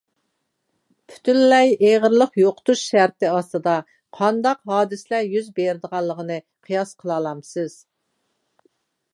پۈتۈنلەي ئېغىرلىق يوقىتىش شەرتى ئاستىدا قانداق ھادىسىلەر يۈز بېرىدىغانلىقىنى قىياس قىلالامسىز؟